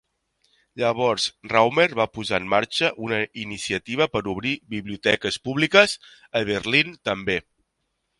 Llavors Raumer va posar en marxa una iniciativa per obrir biblioteques públiques a Berlín també.